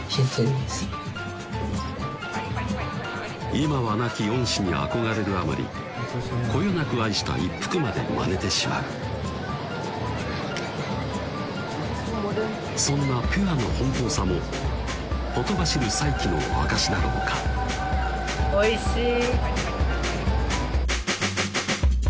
今は亡き恩師に憧れるあまりこよなく愛した一服までまねてしまうそんなピュアな奔放さもほとばしる才気の証しだろうかおいしい！